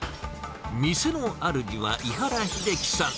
店の主は井原英樹さん。